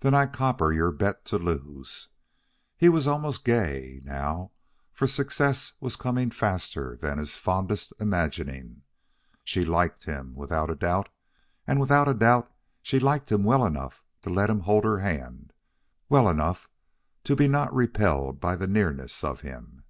"Then I copper your bet to lose." He was almost gay, now, for success was coming faster than his fondest imagining. She liked him, without a doubt; and without a doubt she liked him well enough to let him hold her hand, well enough to be not repelled by the nearness of him.